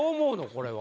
これは。